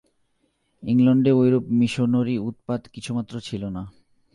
ইংলণ্ডে ঐরূপ মিশনরী-উৎপাত কিছুমাত্র ছিল না।